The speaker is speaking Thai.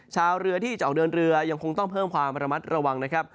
ชาวเรือที่จะออกเดินเรือยังคงต้องเพิ่มความระมัดระวังนะครับ